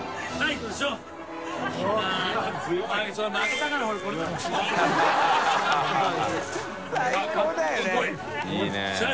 いいね。